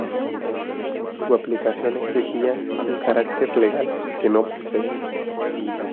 Su aplicación exigiría un carácter legal que no poseen.